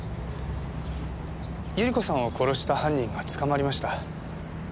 百合子さんを殺した犯人が捕まりました。